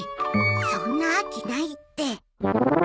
そんな秋ないって。